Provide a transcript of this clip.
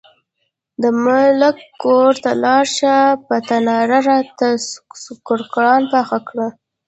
د ملک کور ته لاړه شه، په تناره راته سوکړکان پاخه کړه.